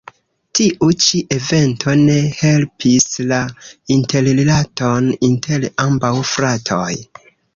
Tiu ĉi evento ne helpis la interrilaton inter ambaŭ fratoj.